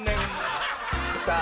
さあ